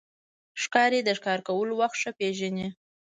ښکاري د ښکار کولو وخت ښه پېژني.